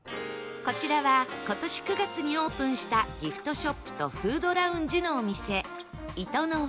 こちらは今年９月にオープンしたギフトショップとフードラウンジのお店 ＩＴＯＮＯＷＡ